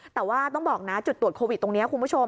แต่ว่าต้องบอกนะจุดตรวจโควิดตรงนี้คุณผู้ชม